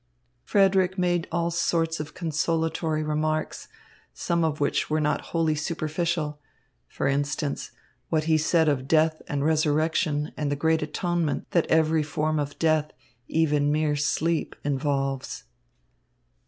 Frederick made all sorts of consolatory remarks, some of which were not wholly superficial; for instance, what he said of death and resurrection and the great atonement that every form of death, even mere sleep, involves.